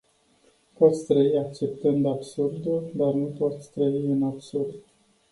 Poți trăi acceptînd absurdul, dar nu poți trăi în absurd.